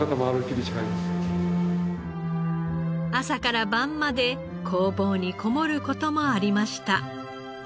朝から晩まで工房にこもる事もありました。